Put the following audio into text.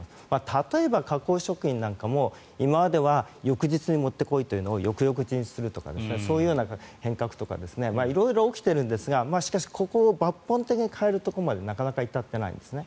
例えば、加工食品なんかも今までは翌日に持って来いというのを翌々日にするとかそういう変革とか色々起きているんですがしかしここを抜本的に変えるところまでなかなか至っていないんですね。